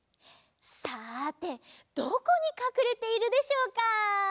さてどこにかくれているでしょうか？